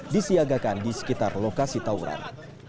disiagakan di sekitar lokasi tawuran